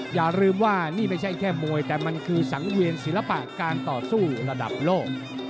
อย่าลืมว่านี่ไม่ใช่แค่มวยแต่มันคือสังเวียนศิลปะการต่อสู้ระดับโลก